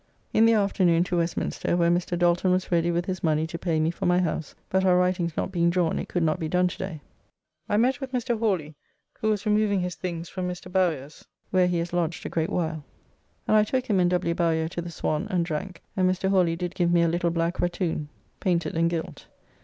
In the afternoon to Westminster, where Mr. Dalton was ready with his money to pay me for my house, but our writings not being drawn it could not be done to day. I met with Mr. Hawly, who was removing his things from Mr. Bowyer's, where he has lodged a great while, and I took him and W. Bowyer to the Swan and drank, and Mr. Hawly did give me a little black rattoon, [Probably an Indian rattan cane.] painted and gilt.